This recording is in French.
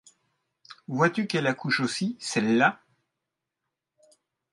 Vois-tu qu’elle accouche aussi, celle-là